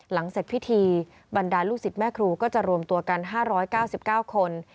หลังเสร็จพิธีบรรดาลูกศิษย์แม่ครูก็จะรวมตัวกัน๕๙๙คน